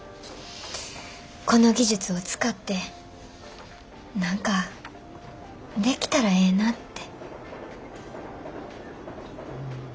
この技術を使って何かできたらええなって。